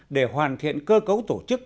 để hoàn thiện cơ cấu tổ chức